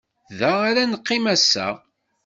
Da ara neqqim ass-a.